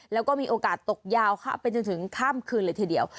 แล้วก็มีโอกาสตกยาวค่ะไปจนถึงข้ามคืนเลยทีเดียว